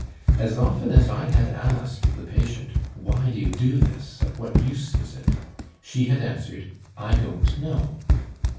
As often as I had asked the patient: "Why do you do this? Of what use is it?" she had answered, "I don't know."